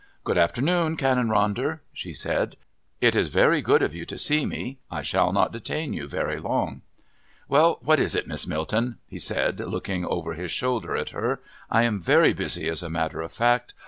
"Good afternoon, Canon Ronder," she said. "It is very good of you to see me. I shall not detain you very long." "Well, what is it, Miss Milton?" he said, looking over his shoulder at her. "I am very busy, as a matter of fact.